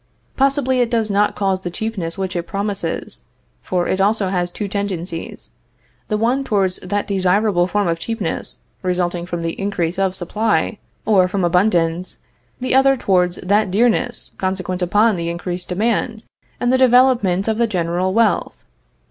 Possibly it does not cause the cheapness which it promises; for it also has two tendencies, the one towards that desirable form of cheapness resulting from the increase of supply, or from abundance; the other towards that dearness consequent upon the increased demand and the development of the general wealth.